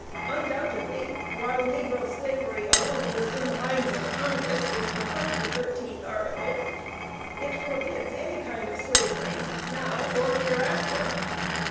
Undoubtedly while negro slavery alone was in the minds of the Congress which proposed the thirteenth article, it forbids any kind of slavery, now, or hereafter.